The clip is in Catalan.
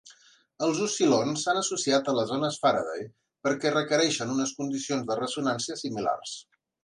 Els oscil·lons s'han associat a les ones Faraday perquè requereixen unes condicions de ressonància similars.